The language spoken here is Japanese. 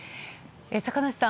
坂梨さん